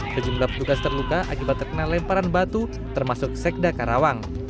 sejumlah petugas terluka akibat terkena lemparan batu termasuk sekda karawang